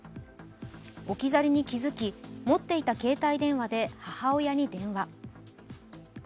置き去りに気付き、持っていた携帯電話で母親に電話。